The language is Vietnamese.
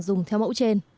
dùng theo mẫu trên